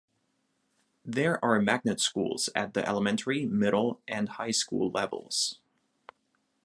There are magnet schools at the elementary, middle, and high school levels.